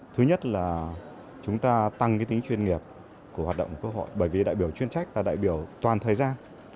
thứ nhất là chúng ta tăng tính chuyên nghiệp của hoạt động của quốc hội bởi vì đại biểu chuyên trách là đại biểu toàn thời gian